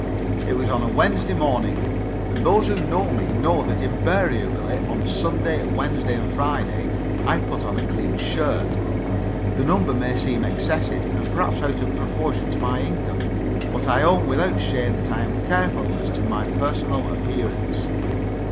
It was on a Wednesday morning, and those who know me know that invariably on Sunday, Wednesday, and Friday I put on a clean shirt. The number may seem excessive, and perhaps out of proportion to my income, but I own without shame that I am careful as to my personal appearance.